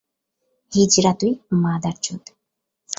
হিজড়া তুই, মাদারচোদ!